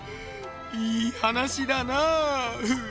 いい話だなあうぅ。